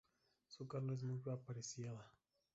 Su carne es muy apreciada.